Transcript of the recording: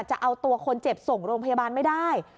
จะเอาตัวคนเจ็บส่งโรงพยาบาลไม่ได้